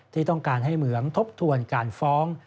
ที่ต้องการให้เหมืองทบทวนการฟ้อง